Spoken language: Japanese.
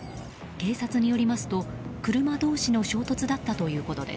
警察によりますと、車同士の衝突だったということです。